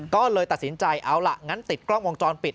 ก็เลยตัดสินใจเอาล่ะงั้นติดกล้องวงจรปิด